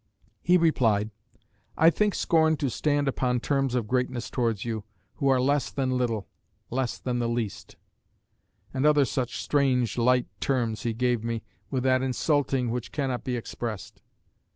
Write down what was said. _' "He replied, 'I think scorn to stand upon terms of greatness towards you, who are less than little; less than the least;' and other such strange light terms he gave me, with that insulting which cannot be expressed.